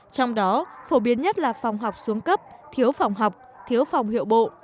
trong đó phổ biến nhất là phòng học xuống cấp thiếu phòng học thiếu phòng hiệu bộ